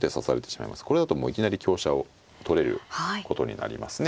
これだともういきなり香車を取れることになりますね。